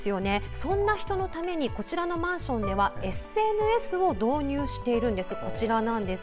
そんな人のためにこちらのマンションではＳＮＳを導入しているんです。